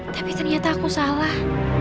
tapi ternyata aku salah